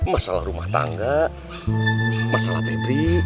masalah rumah tangga masalah pabrik